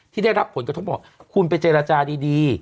ที่ได้รับผลกระทบบอกคุณไปเจรจาดี